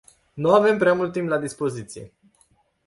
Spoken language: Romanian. Nu avem prea mult timp la dispoziție.